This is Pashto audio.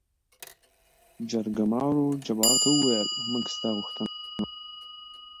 جرګمارو جبار ته ووېل: موږ ستا غوښتنه وارېده.